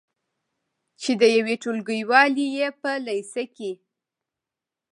چې د یوې ټولګیوالې یې په لیسه کې